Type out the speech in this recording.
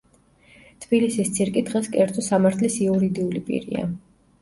თბილისის ცირკი დღეს კერძო სამართლის იურიდიული პირია.